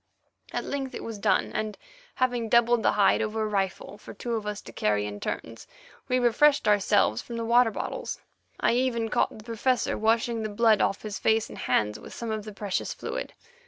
At length it was done, and, having doubled the hide over a rifle for two of us to carry in turns, we refreshed ourselves from the water bottles (I even caught the Professor washing the blood off his face and hands with some of the precious fluid).